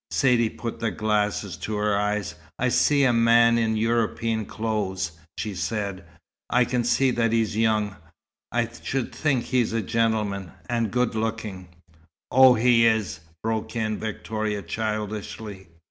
Saidee put the glasses to her eyes. "I see a man in European clothes," she said. "I can see that he's young. I should think he's a gentleman, and good looking " "Oh, he is!" broke in Victoria, childishly.